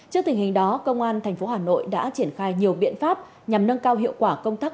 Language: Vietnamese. trước tình hình đó công an tp hà nội đã triển khai nhiều biện pháp nhằm nâng cao hiệu quả công tác